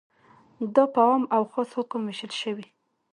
دا په عام او خاص حکم ویشل شوی.